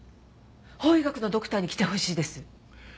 法医学のドクターに来てほしいです。